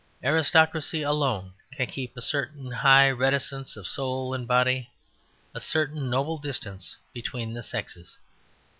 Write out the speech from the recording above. Aristocracy alone can keep a certain high reticence of soul and body, a certain noble distance between the sexes."